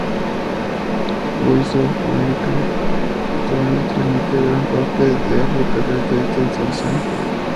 Voice of America actualmente transmite a gran parte de África desde esta instalación.